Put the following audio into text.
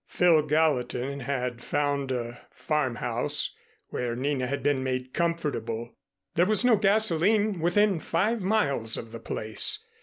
Phil Gallatin had found a farmhouse, where Nina had been made comfortable. There was no gasoline within five miles of the place.